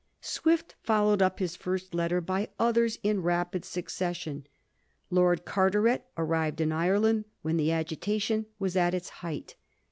Swift followed up his first letter by others in rapid succession. Lord Carteret arrived in Ireland when the agitation was at its height.